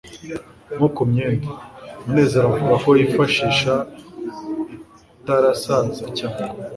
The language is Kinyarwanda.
nko ku myenda, munezero avuga ko yifashisha itarasaza cyane